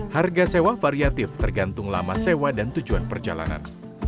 harga sewa variatif tergantung lama sewa dan tujuan perjalanan